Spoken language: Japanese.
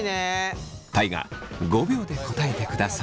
大我５秒で答えてください。